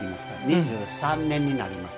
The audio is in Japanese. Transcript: ２３年になります。